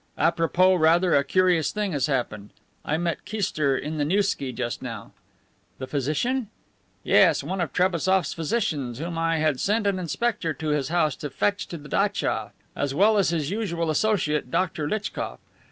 Apropos, rather a curious thing has happened. I met Kister on the Nevsky just now." "The physician?" "Yes, one of Trebassof's physicians whom I had sent an inspector to his house to fetch to the datcha, as well as his usual associate, Doctor Litchkof.